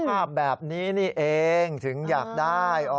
ภาพแบบนี้นี่เองถึงอยากได้